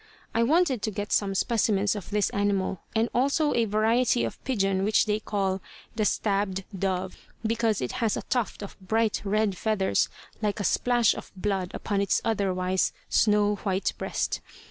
I wanted to get some specimens of this animal and also of a variety of pigeon which they call "the stabbed dove," because it has a tuft of bright red feathers like a splash of blood upon its otherwise snow white breast.